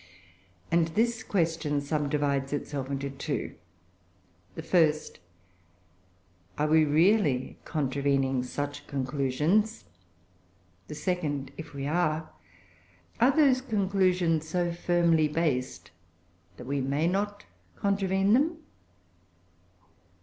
And this question subdivides itself into two: the first, are we really contravening such conclusions? the second, if we are, are those conclusions so firmly based that we may not contravene them?